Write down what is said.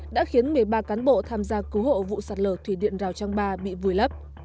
đã khiến một mươi ba cán bộ tham gia cứu hộ vụ sạt lở thủy điện rào trang ba bị vùi lấp